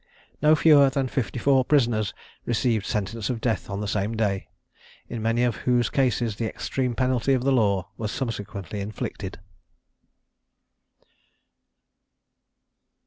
No fewer than fifty four prisoners received sentence of death on the same day, in many of whose cases the extreme penalty of the law was subsequently inflicted.